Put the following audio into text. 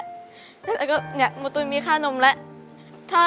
แล้วก็เนี่ยหมูตุ๋นมีค่านมแล้ว